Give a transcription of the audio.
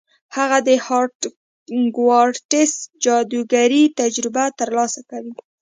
هغه د هاګوارتس جادوګرۍ تجربه ترلاسه کوي.